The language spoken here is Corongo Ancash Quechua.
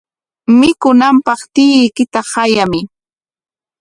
Mikunanpaq tiyuykita qayamuy.